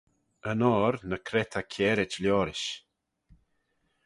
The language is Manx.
Yn oyr, ny cre ta kiarit liorish.